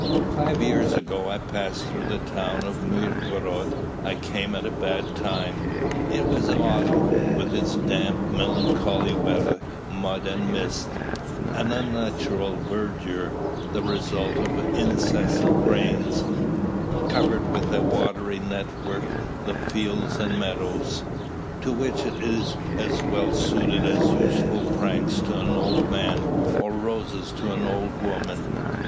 Five years ago, I passed through the town of Mirgorod. I came at a bad time. It was autumn, with its damp, melancholy weather, mud and mists. An unnatural verdure, the result of incessant rains, covered with a watery network the fields and meadows, to which it is as well suited as youthful pranks to an old man, or roses to an old woman.